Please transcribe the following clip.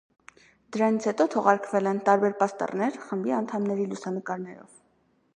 Դրանից հետո թողարկվել են տարբեր պաստառներ խմբի անդամների լուսանկարներով։